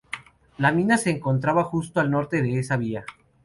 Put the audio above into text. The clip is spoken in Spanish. La mina se encontraba justo al norte de esa vía.